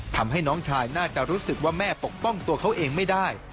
ทำให้น้องชายน่าจะรู้สึกว่าแม่ปกป้องตัวเขาเองไม่ได้